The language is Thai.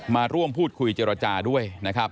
มาร่วมพูดคุยเจรจาด้วย